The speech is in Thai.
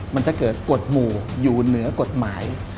มันจะเกิดกฎหมู่อยู่เหนือกฎหมาย